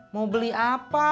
mau beli apa